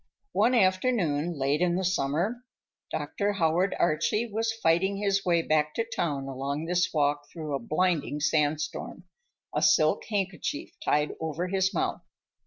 One afternoon, late in the summer, Dr. Howard Archie was fighting his way back to town along this walk through a blinding sandstorm, a silk handkerchief tied over his mouth.